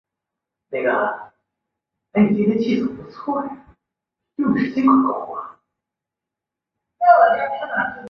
红花芒毛苣苔为苦苣苔科芒毛苣苔属下的一个种。